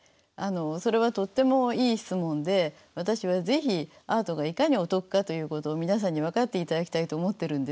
それはとってもいい質問で私は是非アートがいかにお得かということを皆さんに分かっていただきたいと思ってるんですね。